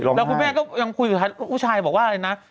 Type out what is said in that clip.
แล้วคุณแม่ก็ยังคุยกับผู้ชายบอกว่าอะไรนะ